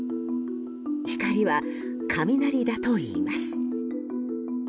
光は、雷だといいます。